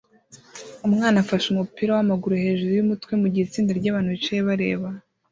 Umwana afashe umupira wamaguru hejuru yumutwe mugihe itsinda ryabantu bicaye bareba